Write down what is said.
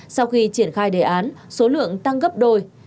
sau khi triển khai đề án số lượng tăng gấp đôi